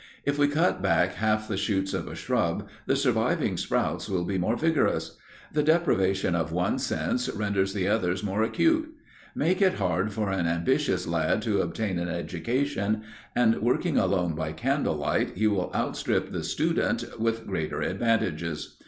If we cut back half the shoots of a shrub, the surviving sprouts will be more vigorous. The deprivation of one sense renders the others more acute. Make it hard for an ambitious lad to obtain an education, and, working alone by candle light, he will outstrip the student with greater advantages.